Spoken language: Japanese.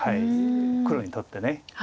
黒にとって。